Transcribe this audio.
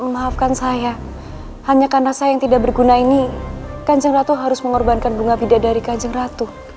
masa yang tidak berguna ini kanjeng ratu harus mengorbankan bunga vida dari kanjeng ratu